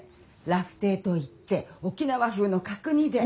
ラフテーと言って沖縄風の角煮で。